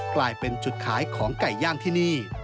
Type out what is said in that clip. กลายเป็นจุดขายของไก่ย่างที่นี่